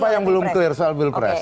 nah apa yang belum clear soal pilpres